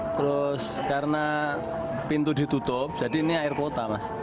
terus karena pintu ditutup jadi ini air kota